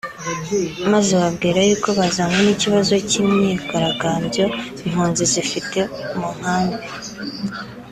maze bababwira y’uko bazanwe n’ ikibazo cy’imyigaragambyo impunzi zifite mu nkambi